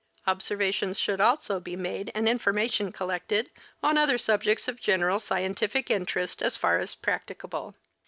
Observations should also be made and information collected on other subjects of general scientific interest as far as practicable.